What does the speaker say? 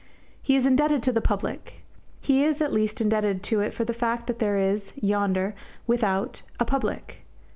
He is indebted to "the public." He is at least indebted to it for the fact that there is, yonder, without, a public.